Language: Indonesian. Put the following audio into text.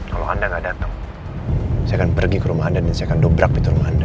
kalau anda nggak datang saya akan pergi ke rumah anda dan saya akan dobrak di rumah anda